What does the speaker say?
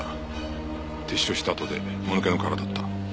撤収したあとでもぬけの殻だった。